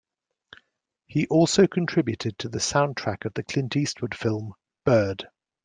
He also contributed to the soundtrack of the Clint Eastwood film "Bird".